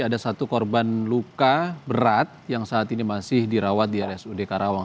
ada satu korban luka berat yang saat ini masih dirawat di rsud karawang